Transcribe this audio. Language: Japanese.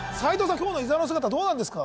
今日の伊沢の姿どうなんですか？